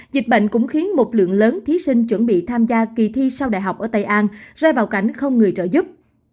dịch bệnh cũng khiến một lượng lớn thí sinh chuẩn bị tham gia kỳ thi sau đại học ở tây an rơi vào cảnh không người trợ giúp